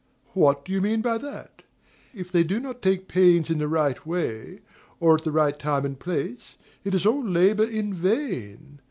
What do you mean by that? If they do not take pains in the right way, or at the right time and place, it is all labor in vain.